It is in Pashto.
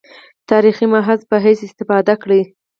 تاریخي مأخذ په حیث استفاده کړې.